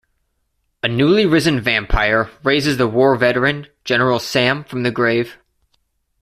A newly risen vampire raises the war veteran General Sam from the grave.